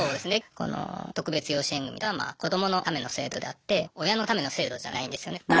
この特別養子縁組とは子どものための制度であって親のための制度じゃないんですよね。